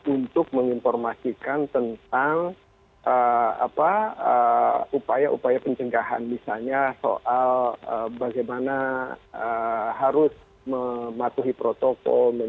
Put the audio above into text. untuk menginformasikan tentang upaya upaya pencegahan misalnya soal bagaimana harus mematuhi protokol